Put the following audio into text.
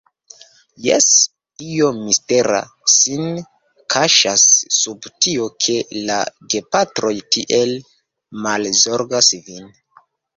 Jes; io mistera sin kaŝas sub tio, ke la gepatroj tiel malzorgas vin.